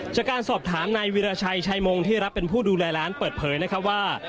จากการสอบถามนายวิราชัยชายมงที่รับเป็นผู้ดูแลร้านเปิดเผยนะครับว่า